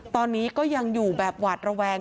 ตอนนี้ก็ยังอยู่แบบหวาดระแวง